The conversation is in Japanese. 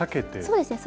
そうですね。